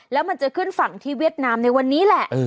แล้วมันจะขึ้นฝั่งที่เวียดนามในวันนี้แหละ